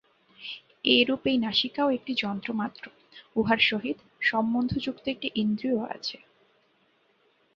এইরূপ এই নাসিকাও একটি যন্ত্রমাত্র, উহার সহিত সম্বন্ধযুক্ত একটি ইন্দ্রিয় আছে।